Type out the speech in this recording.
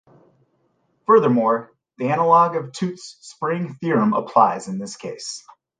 Furthermore, the analogue of Tutte's spring theorem applies in this case.